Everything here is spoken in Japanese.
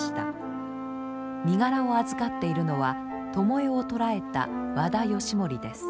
身柄を預かっているのは巴を捕らえた和田義盛です。